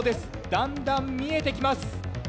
だんだん見えてきます。